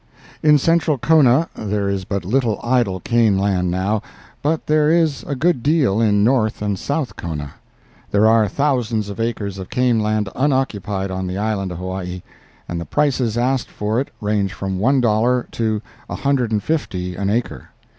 In Central Kona there is but little idle cane land now, but there is a good deal in North and South Kona. There are thousands of acres of cane land unoccupied on the island of Hawaii, and the prices asked for it range from one dollar to a hundred and fifty an acre.